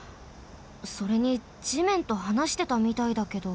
それにじめんとはなしてたみたいだけど。